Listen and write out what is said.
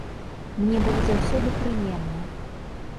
Мне было заўсёды прыемна.